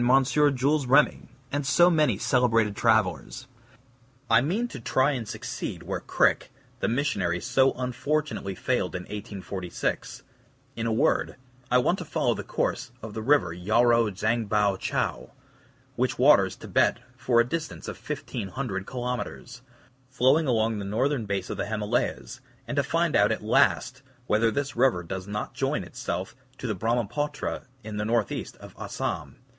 Jules Remy, and so many celebrated travelers. I mean to try and succeed where Krick, the missionary so unfortunately failed in 1846; in a word, I want to follow the course of the river Yarou Dzangbo Tchou, which waters Thibet for a distance of 1500 kilometres, flowing along the northern base of the Himalayas, and to find out at last whether this river does not join itself to the Brahmapoutre in the northeast of As sam.